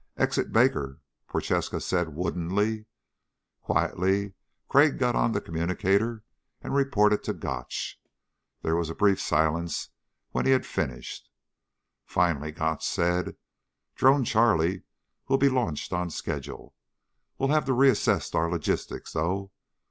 "Exit Baker," Prochaska said woodenly. Quietly Crag got on the communicator and reported to Gotch. There was a brief silence when he had finished. Finally Gotch said, "Drone Charlie will be launched on schedule. We'll have to reassess our logistics, though.